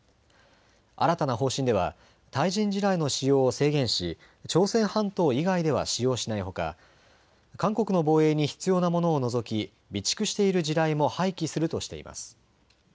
新たな方針では対人地雷の使用を制限し、朝鮮半島以外では使用しないほか韓国の防衛に必要なものを除き備蓄している地雷も廃棄するとしています。